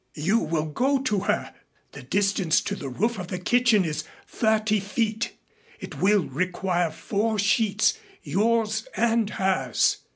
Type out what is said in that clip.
You will go to her. The distance to the roof of the kitchen is thirty feet. It will require four sheets, yours and hers.